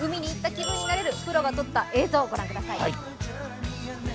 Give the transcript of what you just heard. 海に行った気分になれるプロが撮った映像、御覧ください。